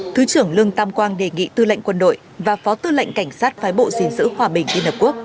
thứ trưởng lương tam quang đề nghị tư lệnh quân đội và phó tư lệnh cảnh sát phái bộ dình giữ hòa bình liên hợp quốc